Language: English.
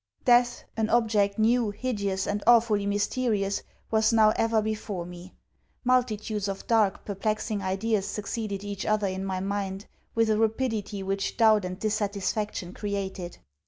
Death, an object new, hideous, and awfully mysterious was now ever before me. Multitudes of dark perplexing ideas succeeded each other in my mind, with a rapidity which doubt and dissatisfaction created.